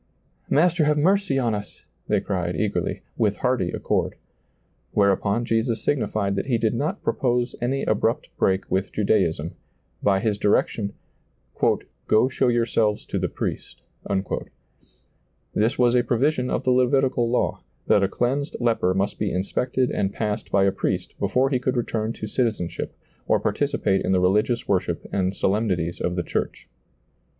" Master, have mer<y on us," they cried eager ly, with hearty accord. Whereupon Jesus signi fied that He did not propose any abrupt break with Judaism, by His direction, " Go show your selves to the priest" This was a provision of the Levitical law, that a cleansed leper must be in spected and passed by a priest before he could return to citizenship or participate in the religious worship and solemnities of the church.